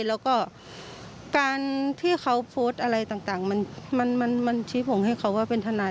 แล้วก็การที่เขาโพสต์อะไรต่างมันชี้ผมให้เขาว่าเป็นทนาย